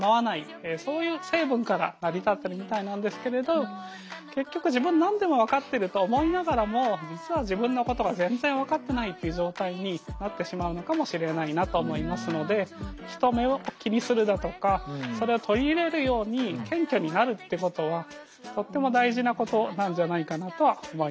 そういう成分から成り立ってるみたいなんですけれど結局自分という状態になってしまうのかもしれないなと思いますので人目を気にするだとかそれを取り入れるように謙虚になるってことはとっても大事なことなんじゃないかなとは思いました。